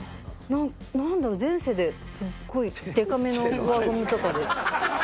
何だろう前世ですっごいデカめの輪ゴムとかで。